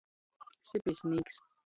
Sipisnīks.